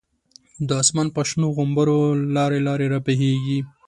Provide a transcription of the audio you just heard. د آسمان په شنو غومبرو، لاری لاری رابهیږی